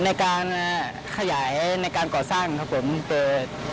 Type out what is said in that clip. ในการขยายในการก่อสร้างครับผมเปิด